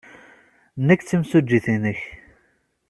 Nekk d timsujjit-nnek.